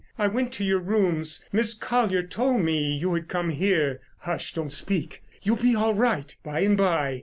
I went to your rooms. Miss Colyer told me you had come here. Hush, don't speak, you'll be all right by and by."